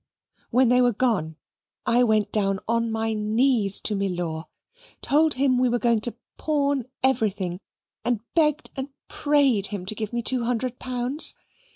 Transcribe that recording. When they were gone, I went down on my knees to Milor; told him we were going to pawn everything, and begged and prayed him to give me two hundred pounds.